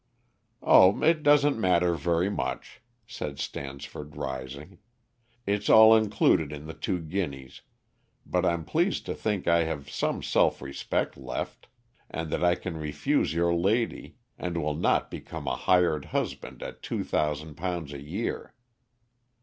"Oh, it doesn't matter very much," said Stansford, rising; "it's all included in the two guineas, but I'm pleased to think I have some self respect left, and that I can refuse your lady, and will not become a hired husband at two thousand pounds a year.